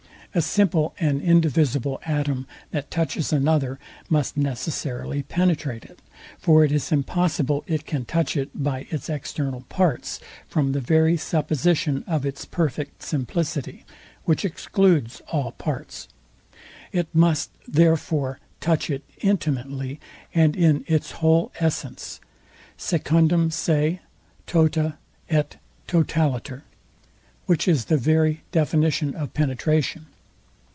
A simple and indivisible atom, that touches another, must necessarily penetrate it; for it is impossible it can touch it by its external parts, from the very supposition of its perfect simplicity, which excludes all parts. It must therefore touch it intimately, and in its whole essence, SECUNDUM SE, TOTA, ET TOTALITER; which is the very definition of penetration.